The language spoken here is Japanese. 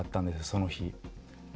その日。